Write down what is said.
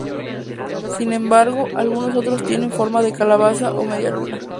Sin embargo, algunos otros tienen forma de calabaza o media luna.